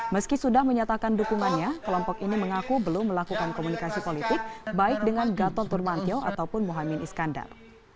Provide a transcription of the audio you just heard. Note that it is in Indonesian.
meski sudah menyatakan dukungannya kelompok ini mengaku belum melakukan komunikasi politik baik dengan gatot nurmantio ataupun mohaimin iskandar